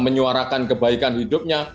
menyuarakan kebaikan hidupnya